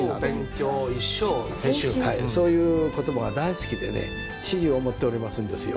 はいそういう言葉が大好きでね始終思っておりますんですよ。